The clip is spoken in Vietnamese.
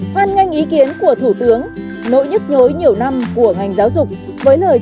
hoan nghênh ý kiến của thủ tướng nỗi nhức nhối nhiều năm của ngành giáo dục